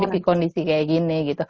di kondisi kayak gini